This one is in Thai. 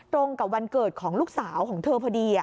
ตรงกับวันเกิดของลูกสาวของเธอพอดี